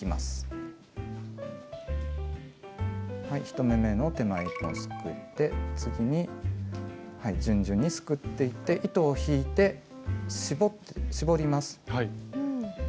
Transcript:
はい１目めの手前１本すくって次に順々にすくっていって糸を引いて絞ります。